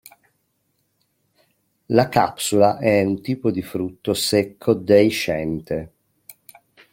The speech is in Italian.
La capsula è un tipo di frutto secco deiscente.